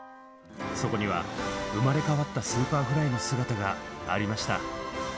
そこには生まれ変わったＳｕｐｅｒｆｌｙの姿がありました。